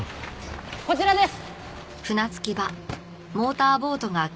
こちらです！